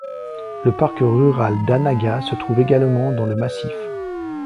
Le parc rural d'Anaga se trouve également dans le massif.